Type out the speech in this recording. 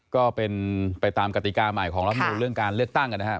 ก็เป็นไปตามกติกาใหม่ของรัฐมนูลเรื่องการเลือกตั้งนะครับ